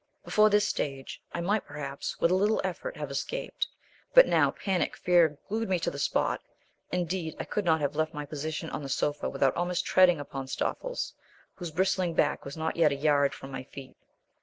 Before this stage, I might perhaps, with a little effort have escaped, but now panic fear glued me to the spot; indeed I could not have left my position on the sofa without almost treading upon Stoffles, whose bristling back was not a yard from my feet.